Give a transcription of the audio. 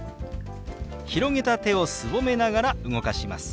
広げた手をすぼめながら動かします。